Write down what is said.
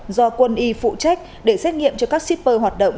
do quân y phụ trách để xét nghiệm cho các shipper hoạt động